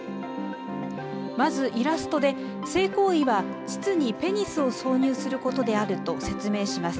まずイラストで、性行為は膣にペニスを挿入することであると説明します。